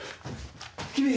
君。